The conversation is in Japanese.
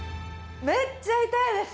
めっちゃ痛いです！